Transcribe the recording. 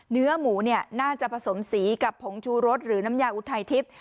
เนื้อหมูเนี่ยน่าจะผสมสีกับผงชูรสหรือน้ำยาอุทัยทิพย์